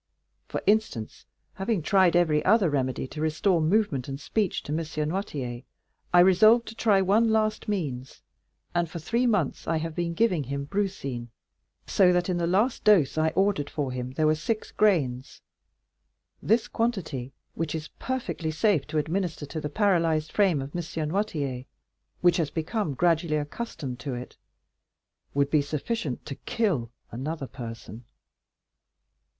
For instance, having tried every other remedy to restore movement and speech to M. Noirtier, I resolved to try one last means, and for three months I have been giving him brucine; so that in the last dose I ordered for him there were six grains. This quantity, which is perfectly safe to administer to the paralyzed frame of M. Noirtier, which has become gradually accustomed to it, would be sufficient to kill another person."